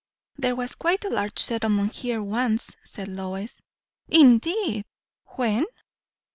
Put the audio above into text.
"There was quite a large settlement here once," said Lois. "Indeed! When?"